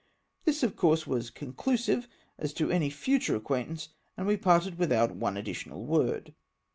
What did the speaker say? This, of course, was conclusive as to any fntiure acquaintance, and we parted without one additional word.